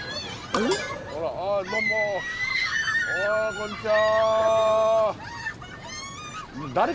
あこんにちは。